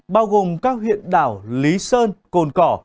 bao gồm các huyện đảo lý sơn cồn cỏ